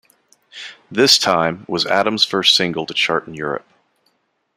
"This Time" was Adams first single to chart in Europe.